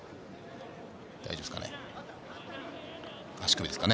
大丈夫ですかね？